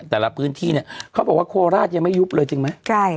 แต่ละพื้นที่เนี่ยเขาบอกว่าโคราชยังไม่ยุบเลยจริงไหม